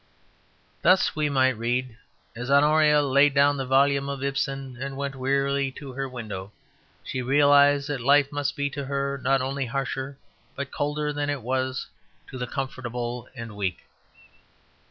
Thus we might read: "As Honoria laid down the volume of Ibsen and went wearily to her window, she realized that life must be to her not only harsher, but colder than it was to the comfortable and the weak.